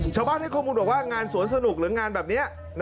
ชาวบ้านให้ข้อมูลบอกว่างานสวนสนุกหรืองานแบบนี้